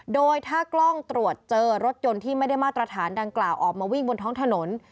โดยถ้ากล้องตรวจเจอรถยนต์ที่ไม่ได้มาตรฐานดังกล่าวออกมาวิ่งบนท้องถนน